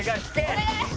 お願い！